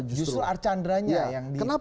justru archandra nya yang diceroki